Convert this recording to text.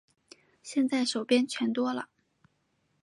现在手边钱多了